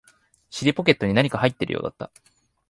尻ポケットに何か入っているようだった